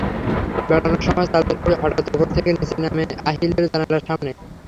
বেড়ানোর সময় চাঁদের বুড়ি হঠাৎ ওপর থেকে নিচে নামে আহিলের জানালার সামনে।